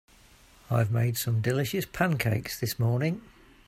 I've made some delicious pancakes this morning.